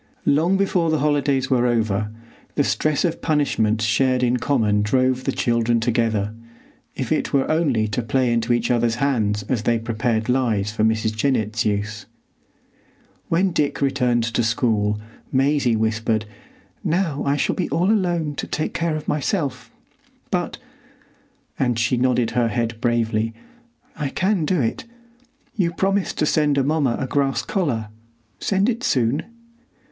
Long before the holidays were over, the stress of punishment shared in common drove the children together, if it were only to play into each other's hands as they prepared lies for Mrs. Jennett's use. When Dick returned to school, Maisie whispered, "Now I shall be all alone to take care of myself; but," and she nodded her head bravely, "I can do it. You promised to send Amomma a grass collar. Send it soon."